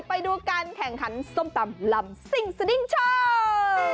ไปดูการแข่งขันส้มตำลำซิ่งสดิ้งโชว์